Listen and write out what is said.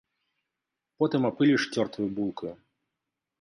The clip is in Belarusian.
Потым апыліш цёртаю булкаю.